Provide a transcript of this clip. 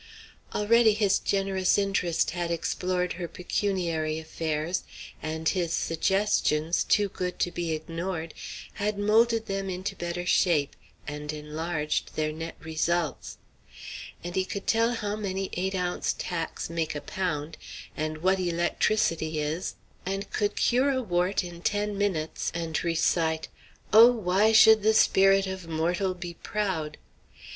Already his generous interest had explored her pecuniary affairs, and his suggestions, too good to be ignored, had moulded them into better shape, and enlarged their net results. And he could tell how many eight ounce tacks make a pound, and what electricity is, and could cure a wart in ten minutes, and recite "Oh! why should the spirit of mortal be proud?"